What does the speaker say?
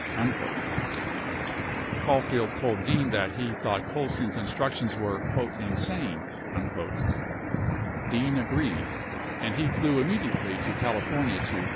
30 Caulfield told Dean that he thought Colson's instructions were "insane." 31 Dean agreed, and he flew immediately to California to